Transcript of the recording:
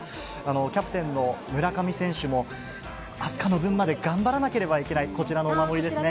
キャプテンの村上選手も、明日香の分まで頑張らなければいけない、こちらのお守りですね。